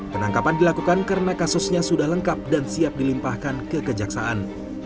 penangkapan dilakukan karena kasusnya sudah lengkap dan siap dilimpahkan ke kejaksaan